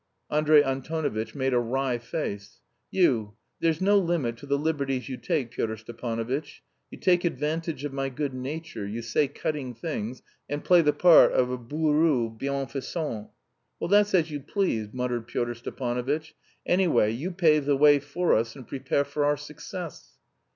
Andrey Antonovitch made a wry face. "You... there's no limit to the liberties you take, Pyotr Stepanovitch. You take advantage of my good nature, you say cutting things, and play the part of a bourru bienfaisant...." "Well, that's as you please," muttered Pyotr Stepanovitch; "anyway you pave the way for us and prepare for our success."